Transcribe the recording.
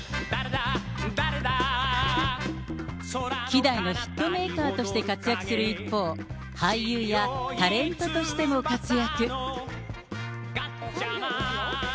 希代のヒットメーカーとして活躍する一方、俳優やタレントとしても活躍。